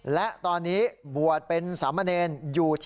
และตอนนี้บวชเป็นสามเณรอยู่ที่